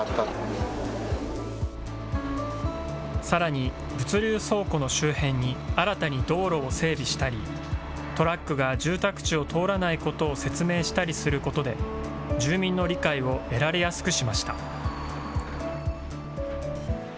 さらに、物流倉庫の周辺に新たに道路を整備したり、トラックが住宅地を通らないことを説明したりすることで、住民の理解を得られやすくしました。